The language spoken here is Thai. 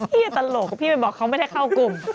อย่าตลกพี่ไปบอกเขาไม่ได้เข้ากลุ่ม